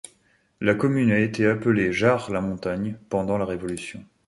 La commune a été appelée Jars-la-Montagne pendant la Révolution.